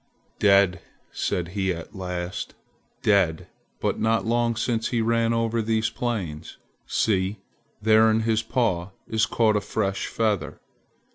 "Dead!" said he at last. "Dead, but not long since he ran over these plains! See! there in his paw is caught a fresh feather.